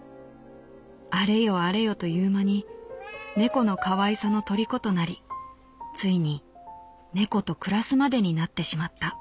あれよあれよという間に猫の可愛さのとりことなり遂に猫と暮らすまでになってしまった」。